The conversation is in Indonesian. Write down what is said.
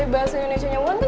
jadi gue ikutan juga